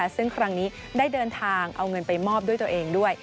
ซึ่งครั้งนี้ได้เดินทางเอาเงินไปมอบด้วยตัวเองด้วย